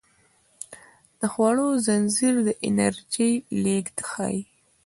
د خوړو زنځیر د انرژۍ لیږد ښيي